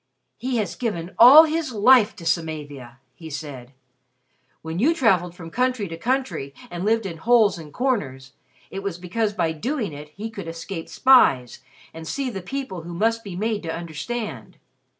"He has given all his life to Samavia!" he said. "When you traveled from country to country, and lived in holes and corners, it was because by doing it he could escape spies, and see the people who must be made to understand.